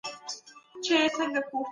که د نوي ميرمني د يوازيوالي وهم وي.